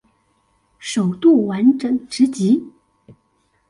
首度完整直擊